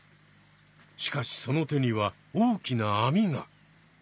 しかしその手には大きなあみが。